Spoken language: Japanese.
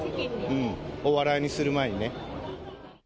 お笑いにする前にね。